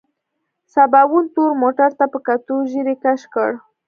سباوون تور موټر ته په کتو ږيرې کش کړ.